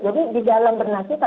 jadi di dalam bernasita